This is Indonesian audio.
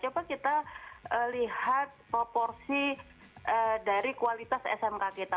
coba kita lihat proporsi dari kualitas smk kita